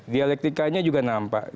dialektikanya juga nampak